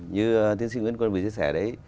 như tiến sĩ nguyễn quân bình chia sẻ đấy